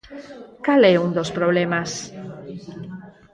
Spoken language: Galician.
Cal é un dos problemas?